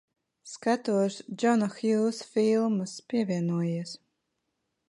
Skatos Džona Hjūsa filmas. Pievienojies.